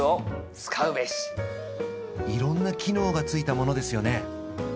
いろんな機能がついたものですよね？